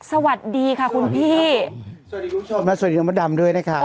สวัสดีค่ะคุณพี่สวัสดีครับผมสวัสดีคุณผู้ชมแล้วสวัสดีคุณพุทธดำด้วยนะครับ